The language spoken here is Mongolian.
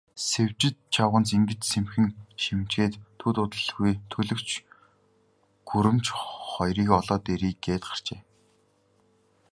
Сэвжид чавганц ингэж сэмхэн шивнэчхээд, төд удалгүй төлгөч гүрэмч хоёрыг олоод ирье гээд гарчээ.